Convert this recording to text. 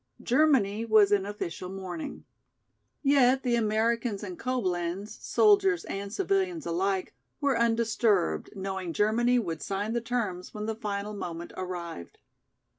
Germany was in official mourning. Yet the Americans in Coblenz, soldiers and civilians alike, were undisturbed, knowing Germany would sign the terms when the final moment arrived.